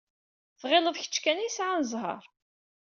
Tɣileḍ kečč kan i yesɛan zzheṛ?